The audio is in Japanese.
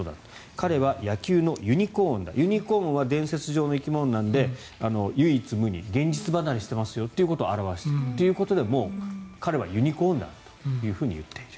彼は野球のユニコーンだユニコーンは伝説上の生き物なので、唯一無二現実離れしてますよということを表しているということでもう彼はユニコーンだと言っている。